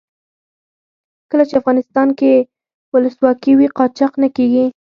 کله چې افغانستان کې ولسواکي وي قاچاق نه کیږي.